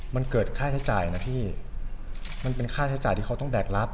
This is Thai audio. มันเกิดค่าใช้จ่ายนะพี่มันเป็นค่าใช้จ่ายที่เขาต้องแบกรับ